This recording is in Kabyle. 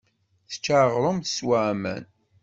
Tečča aɣrum, teswa aman.